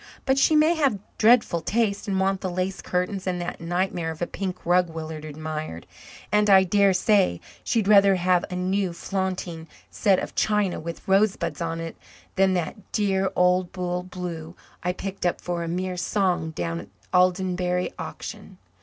But she may have dreadful taste and want the lace curtains and that nightmare of a pink rug Willard admired, and I dare say she'd rather have a new flaunting set of china with rosebuds on it than that dear old dull blue I picked up for a mere song down at the Aldenbury auction.